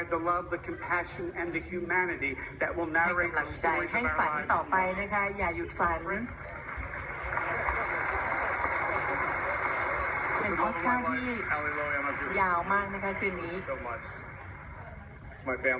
ให้กำลังใจให้ฝันต่อไปนะคะอย่าหยุดฝัน